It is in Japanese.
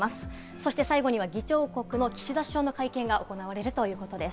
そして最後には議長国の岸田首相の会見が行われるということです。